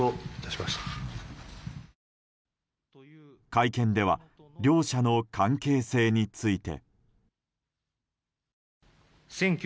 会見では両社の関係性について。